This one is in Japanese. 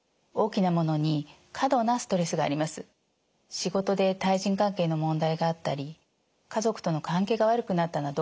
仕事で対人関係の問題があったり家族との関係が悪くなったなど